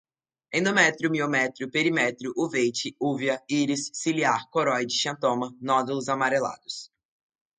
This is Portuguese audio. endométrio, miométrio, perimétrio, uveíte, úvea, íris, ciliar, coroide, xantoma, nódulos, amarelados